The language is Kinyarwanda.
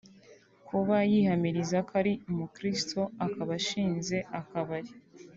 Kuba yihamiriza ko ari umukristo akaba ashinze akabari